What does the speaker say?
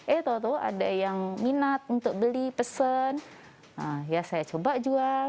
eh tau tau ada yang minat untuk beli pesen ya saya coba jual